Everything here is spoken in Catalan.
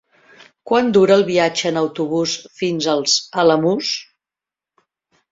Quant dura el viatge en autobús fins als Alamús?